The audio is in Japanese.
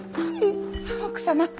奥様。